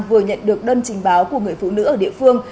vừa nhận được đơn trình báo của người phụ nữ ở địa phương